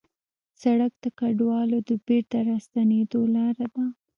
سړک د کډوالو د بېرته راستنېدو لاره ده.